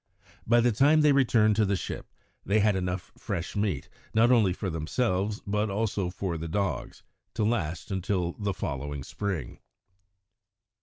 By the time they returned to the ship they had enough fresh meat, not only for themselves but also for the dogs, to last until the following spring.